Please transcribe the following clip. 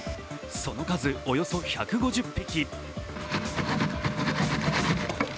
その数、およそ１５０匹。